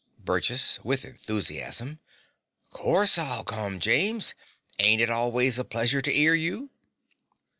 BURGESS (with enthusiasm). Course I'll come, James. Ain' it always a pleasure to 'ear you.